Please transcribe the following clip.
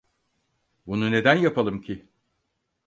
Bunu neden yapalım ki?